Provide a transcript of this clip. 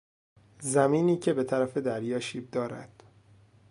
زمینی که به طرف دریا شیب دارد